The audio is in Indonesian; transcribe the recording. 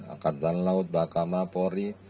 akadang laut bakama polri